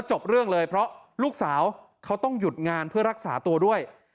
จบเรื่องเลยเพราะลูกสาวเขาต้องหยุดงานเพื่อรักษาตัวด้วย